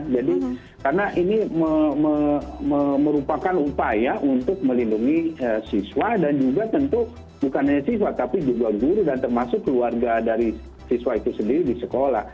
jadi karena ini merupakan upaya untuk melindungi siswa dan juga tentu bukan hanya siswa tapi juga guru dan termasuk keluarga dari siswa itu sendiri di sekolah